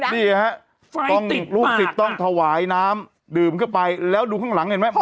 นี่ฮะต้องลูกศิษย์ต้องถวายน้ำดื่มเข้าไปแล้วดูข้างหลังเห็นไหม